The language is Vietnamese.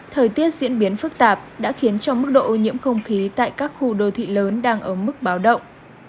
thời tiết diễn biến phức tạp đã khiến cho mức độ ô nhiễm không khí tại các khu đô thị lớn đang ở mức báo động